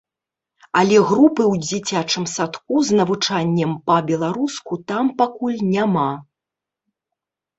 Але групы ў дзіцячым садку з навучаннем па-беларуску там пакуль няма.